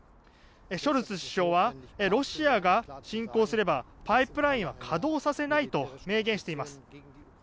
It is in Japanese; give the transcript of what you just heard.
ショルツ首相はロシアが侵攻すればパイプラインは稼働させないと明言しています。